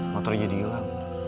motor aja dihilang